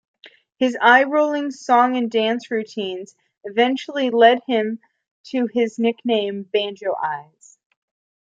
His eye-rolling song-and-dance routines eventually led to his nickname, "Banjo Eyes".